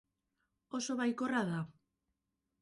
Oso baikorra da.